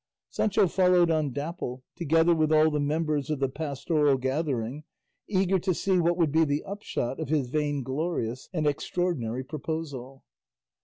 Sancho followed on Dapple, together with all the members of the pastoral gathering, eager to see what would be the upshot of his vainglorious and extraordinary proposal.